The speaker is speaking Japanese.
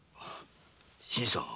新さん！？